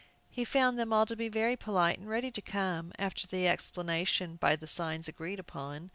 He found them all very polite, and ready to come, after the explanation by signs agreed upon.